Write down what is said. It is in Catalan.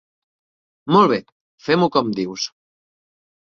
Molt bé, fem-ho com dius.